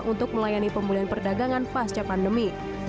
untuk melayani pemulihan perdagangan pasca pandemi